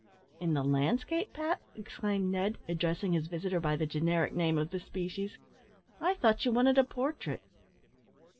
"In the landscape, Pat!" exclaimed Ned, addressing his visitor by the generic name of the species; "I thought you wanted a portrait."